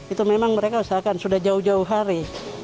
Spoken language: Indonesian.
itu memang mereka usahakan sudah jauh jauh hari